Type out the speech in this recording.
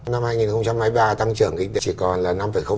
năm hai nghìn hai mươi ba tăng trưởng kinh tế chỉ còn là năm